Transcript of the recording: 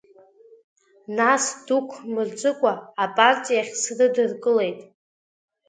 Нас, дук мырҵыкәа, апартиахь срыдыр-кылеит.